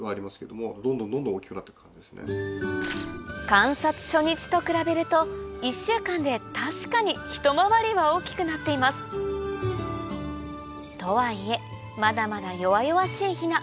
観察初日と比べると１週間で確かにひと回りは大きくなっていますとはいえまだまだ弱々しいヒナ